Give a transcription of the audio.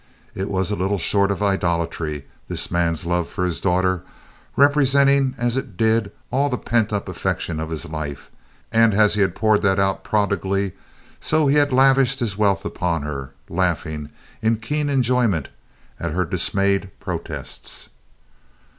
It was little short of idolatry this man's love for his daughter representing as it did all the pent up affection of his life, and as he had poured that out prodigally so he had lavished his wealth upon her, laughing in keen enjoyment at her dismayed protests.